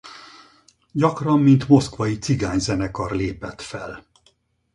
Gyakran mint moszkvai cigány zenekar lépett fel.